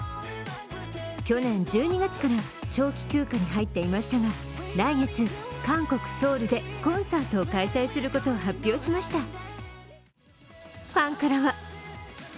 去年１２月から長期休暇に入っていましたが、来月、韓国・ソウルでコンサートを開催することを発表しました。